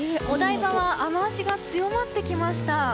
お台場は雨脚が強まってきました。